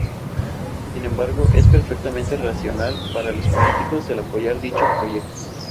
Sin embargo, es perfectamente racional para los políticos el apoyar dichos proyectos.